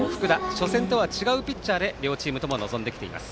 初戦とは違うピッチャーで両チームとも臨んできています。